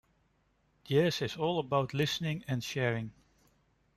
Jazz is all about listening and sharing.